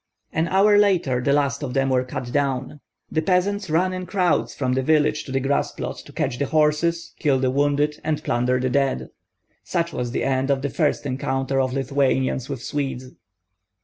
An hour later the last of them were cut down. The peasants ran in crowds from the village to the grass plot to catch the horses, kill the wounded, and plunder the dead. Such was the end of the first encounter of Lithuanians with Swedes.